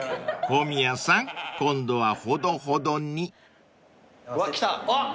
［小宮さん今度はほどほどに］来たあっ。